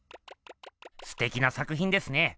すてきな作ひんですね。